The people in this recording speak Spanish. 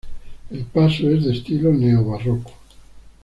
El paso es de estilo neobarroco.